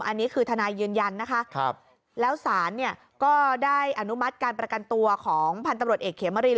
อันนี้คือทนายยืนยันนะคะแล้วศาลเนี่ยก็ได้อนุมัติการประกันตัวของพันธุ์ตำรวจเอกเขมริน